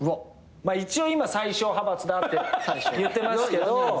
一応今最小派閥だって言ってますけど。